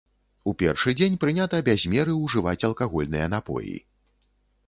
У першы дзень прынята без меры ўжываць алкагольныя напоі.